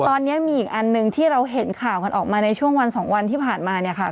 ตอนนี้มีอีกอันหนึ่งที่เราเห็นข่าวกันออกมาในช่วงวันสองวันที่ผ่านมาเนี่ยค่ะ